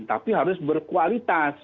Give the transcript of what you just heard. tapi harus berkualitas